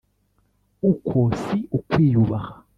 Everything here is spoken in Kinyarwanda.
Uko si ukwiyubaha